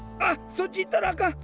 そっちいったらあかん。